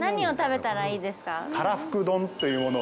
たらふく丼というものを。